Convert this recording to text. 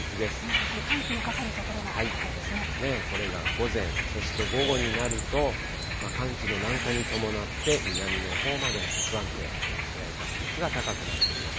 やはり寒気のかかる所が高いこれが午前、そして午後になると、寒気の南下に伴って、南のほうまで不安定、発雷確率が高くなっています。